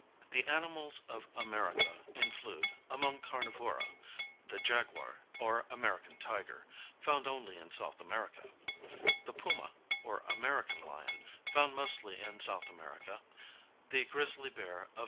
The animals of America include, among carnivora, the jaguar or American tiger, found only in S. America; the puma or American lion, found mostly in S. America; the grizzly bear of N.